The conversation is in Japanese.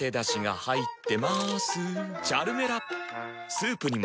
スープにも。